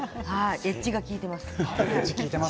エッジが利いています。